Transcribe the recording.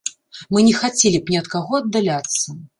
Мы не хацелі б ні ад каго аддаляцца.